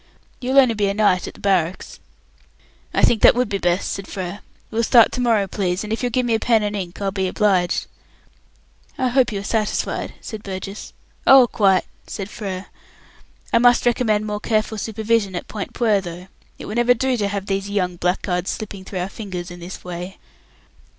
You'll only be a night at the barracks." "I think that would be best," said Frere. "We'll start to morrow, please, and if you'll give me a pen and ink I'll be obliged." "I hope you are satisfied," said Burgess. "Oh yes, quite," said Frere. "I must recommend more careful supervision at Point Puer, though. It will never do to have these young blackguards slipping through our fingers in this way."